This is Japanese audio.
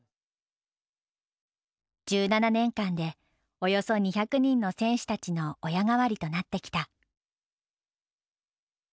１７年間でおよそ２００人の選手たちの親代わりとなってきた。